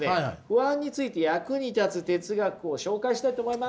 不安について役に立つ哲学を紹介したいと思います。